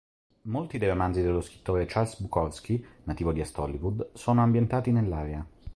Molti dei romanzi dello scrittore Charles Bukowski, nativo di Est Hollywood, sono ambientati nell'area.